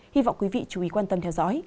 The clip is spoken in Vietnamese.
hy vọng quý vị chú ý quan tâm theo dõi